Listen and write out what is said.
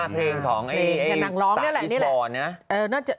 เพลงของสไตล์อิสบอน